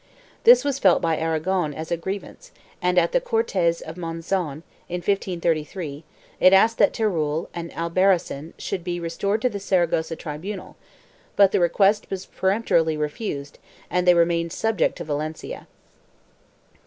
This was felt by Aragon as a grievance and, at the Cortes of Monzon, in 1533 it asked that Teruel and Albarracin should be restored to the Saragossa tribunal, but the request was peremptorily refused and they remained subject to Valencia.